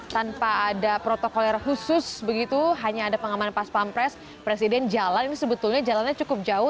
tanpa ada protokoler khusus begitu hanya ada pengaman pas pampres presiden jalan ini sebetulnya jalannya cukup jauh